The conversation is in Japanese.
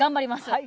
はい。